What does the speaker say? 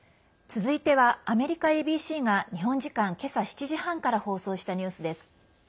続いては、アメリカＡＢＣが日本時間けさ７時半から放送したニュースです。